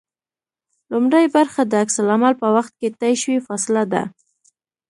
لومړۍ برخه د عکس العمل په وخت کې طی شوې فاصله ده